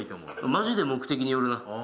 マジで目的によるな。